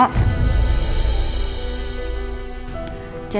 jangan sampe dia marah